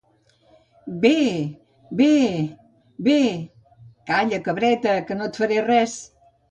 Bé!... bé!... bé!... Calla cabreta, que no et faré res.